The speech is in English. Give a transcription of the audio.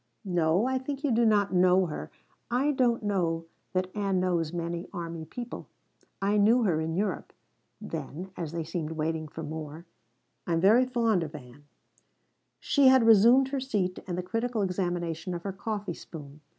No, I think you do not know her. I don't know that Ann knows many army people. I knew her in Europe." Then, as they seemed waiting for more: "I am very fond of Ann." She had resumed her seat and the critical examination of her coffee spoon.